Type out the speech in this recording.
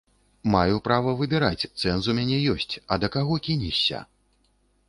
Маю права выбіраць, цэнз у мяне ёсць, а да каго кінешся?